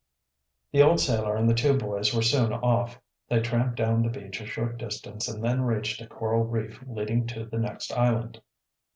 The old sailor and the two boys were soon off. They tramped down the beach a short distance and then reached a coral reef leading to the next island.